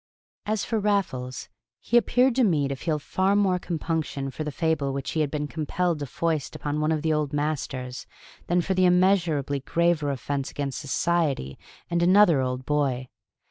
As for Raffles, he appeared to me to feel far more compunction for the fable which he had been compelled to foist upon one of the old masters than for the immeasurably graver offence against society and another Old Boy.